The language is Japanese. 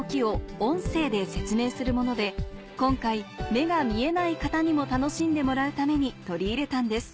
今回目が見えない方にも楽しんでもらうために取り入れたんです